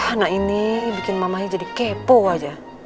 anak ini bikin mamanya jadi kepo aja